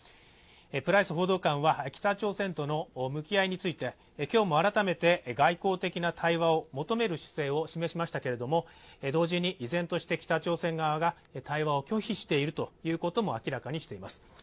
プライス報道官は北朝鮮との向き合いについて今日も改めて外交的な対話を求める姿勢を示しましたけれども、同時に依然として北朝鮮側が対話を拒否しているということも明らかにしています。